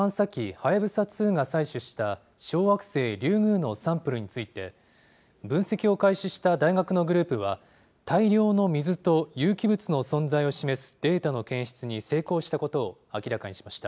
はやぶさ２が採取した小惑星リュウグウのサンプルについて、分析を開始した大学のグループは、大量の水と有機物の存在を示すデータの検出に成功したことを明らかにしました。